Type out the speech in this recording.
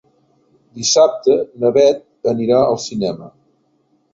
Dissabte na Bet anirà al cinema.